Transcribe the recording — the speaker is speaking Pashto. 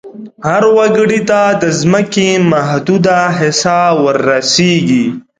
هر وګړي ته د ځمکې محدوده حصه ور رسیږي.